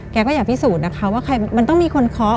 แกก็อยากพิสูจน์นะคะว่ามันต้องมีคนเคาะ